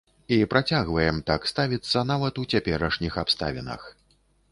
І працягваем так ставіцца нават у цяперашніх абставінах.